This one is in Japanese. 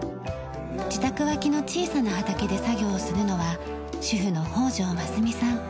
自宅脇の小さな畑で作業をするのは主婦の北條ますみさん。